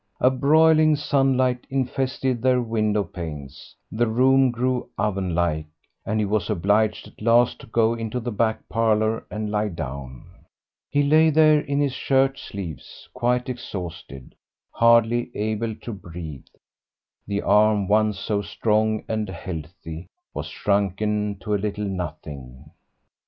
A broiling sunlight infested their window panes, the room grew oven like, and he was obliged at last to go into the back parlour and lie down. He lay there in his shirt sleeves quite exhausted, hardly able to breathe; the arm once so strong and healthy was shrunken to a little nothing.